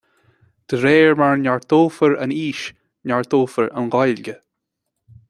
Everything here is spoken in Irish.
De réir mar a neartófar an fhís, neartófar an Ghaeilge